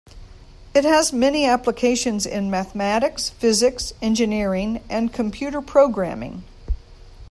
It has many applications in mathematics, physics, engineering, and computer programming.